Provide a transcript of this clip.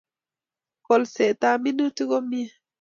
Kolset ab minutik komye